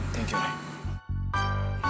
terima kasih rai